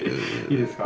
いいですか？